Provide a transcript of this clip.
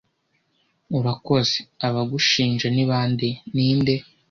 Urakoze .- Abagushinja ni bande ?- Ninde?